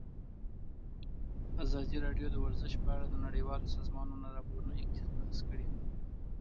ازادي راډیو د ورزش په اړه د نړیوالو سازمانونو راپورونه اقتباس کړي.